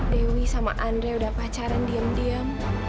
dewi sama andre udah pacaran diem diem